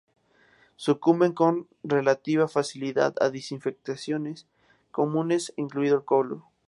Sucumben con relativa facilidad a desinfectantes comunes, incluido el cloro.